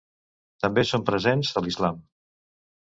També són presents a l'islam.